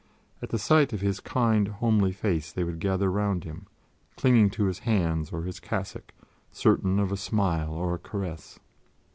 At the sight of his kind, homely face, they would gather round him, clinging to his hands or his cassock, certain of a smile or a caress.